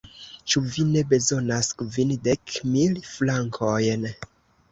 Ĉu vi ne bezonas kvindek mil frankojn?